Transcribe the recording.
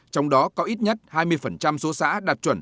trong đó có ít nhất hai mươi số xã đạt chuẩn